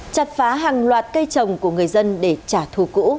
chặt phá hàng loạt cây trồng của người dân để trả thù